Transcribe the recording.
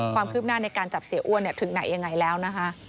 ความคืบหน้าในการจับเสียอ้วนถึงไหนยังไงแล้วนะคะ